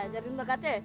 jamin mbak kc